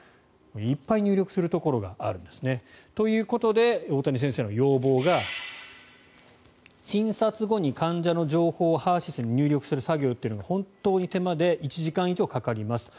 いっぱい入力するところがあるんですね。ということで、大谷先生の要望が診察後に患者の情報をＨＥＲ−ＳＹＳに入力する作業というのは本当に手間で１時間以上かかりますと。